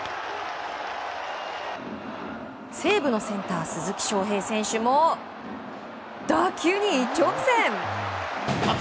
西武のセンター鈴木将平選手も打球に一直線！